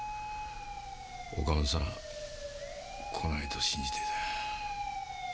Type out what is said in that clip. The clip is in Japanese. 岡本さん来ないと信じていた。